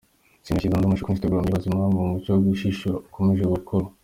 Ciney yashyize amashusho kuri instagram yibaza impamvu umuco wo gushishura ukomeje gukura.